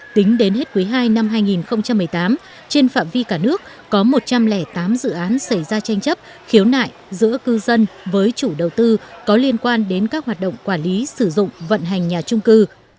tính đến hết quý ii năm hai nghìn một mươi tám trên phạm vi cả nước có một trăm linh tám dự án xảy ra tranh chấp khiếu nại giữa cư dân với chủ đầu tư có liên quan đến các hoạt động quản lý sử dụng vận hành nhà trung cư